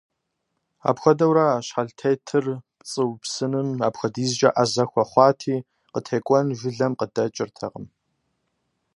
Апхуэдэурэ а щхьэлтетыр пцӀы упсыным апхуэдизкӀэ Ӏэзэ хуэхъуати, къытекӀуэн жылэм къыдэкӀыртэкъым.